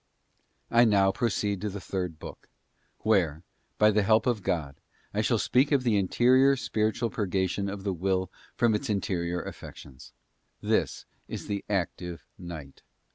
. I now proceed to the third book; where, by the help of God, I shall speak of the interior spiritual purgation of the will from its interior affections. This is the Active Night.